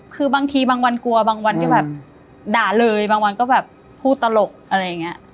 คือบางทีบางวันกลัวบางวันที่แบบด่าเลยบางวันก็แบบพูดตลกอะไรอย่างนี้